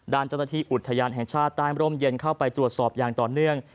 ด้านจันทราชีอุธยานแห่งชาติตามพรมเย็นเข้าไปตรวจสอบยังต่อเนื่อง